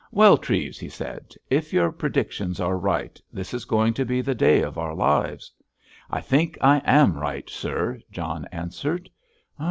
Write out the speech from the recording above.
"Well, Treves," he said, "if your predictions are right, this is going to be the day of our lives!" "I think I am right, sir," John answered.